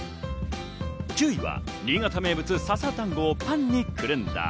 １０位は新潟名物・笹だんごをパンにくるんだ